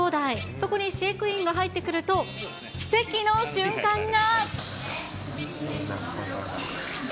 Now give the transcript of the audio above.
そこに飼育員が入ってくると、奇跡の瞬間が。